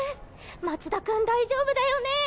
松田君大丈夫だよね？